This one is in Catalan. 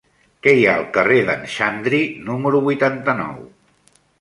Què hi ha al carrer d'en Xandri número vuitanta-nou?